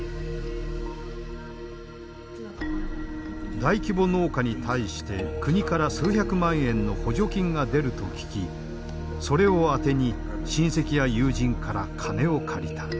大規模農家に対して国から数百万円の補助金が出ると聞きそれを当てに親戚や友人から金を借りた。